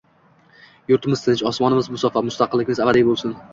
Yurtimiz tinch, osmonimiz musaffo, mustaqilligimiz abadiy bo'lsin!